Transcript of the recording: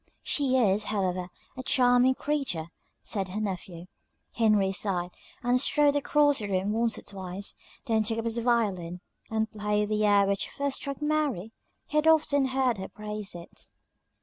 "She is, however, a charming creature," said her nephew. Henry sighed, and strode across the room once or twice; then took up his violin, and played the air which first struck Mary; he had often heard her praise it.